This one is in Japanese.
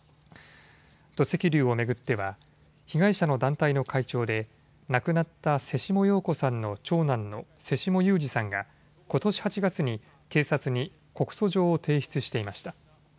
土石流を巡っては被害者の団体の会長で亡くなった瀬下陽子さんの長男の瀬下雄史さんがことし８月に警察に告訴状を提出していました。